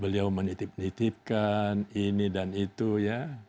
beliau menitip nitipkan ini dan itu ya